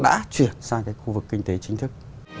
đã chuyển sang cái khu vực kinh tế chính thức